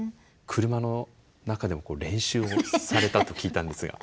車の中で練習をされたと聞いたんですが。